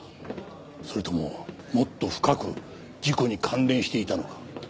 それとももっと深く事故に関連していたのか？